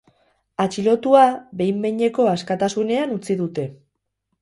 Atxilotua behin-behineko askatasunean utzi dute.